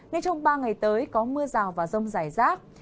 nên trong ba ngày tới có mưa rào và rông rải rác